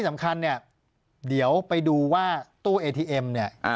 ปากกับภาคภูมิ